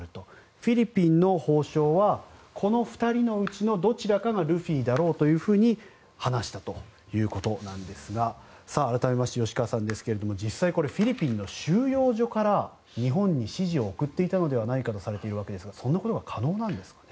フィリピンの法相はこの２人のうちのどちらがルフィだろうというふうに話したということですが改めまして吉川さんですがフィリピンの収容所から日本に指示を送っていたのではないかとされていますがそんなことは可能なんですかね。